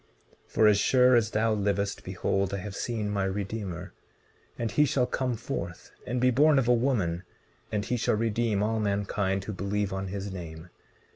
19:13 For as sure as thou livest, behold, I have seen my Redeemer; and he shall come forth, and be born of a woman, and he shall redeem all mankind who believe on his name.